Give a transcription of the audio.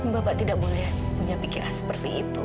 bapak tidak boleh punya pikiran seperti itu